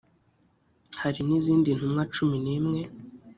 hari n izindi ntumwa cumi n imwe